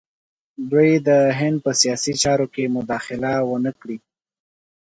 دوی د هند په سیاسي چارو کې مداخله ونه کړي.